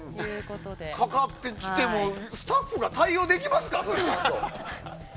かかってきてもスタッフが対応できますか。